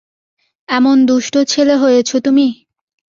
এমন দুষ্ট ছেলে হয়েছ তুমি?